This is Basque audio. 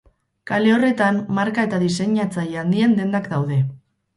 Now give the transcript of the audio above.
Kale horretan marka eta diseinatzaile handien dendak daude.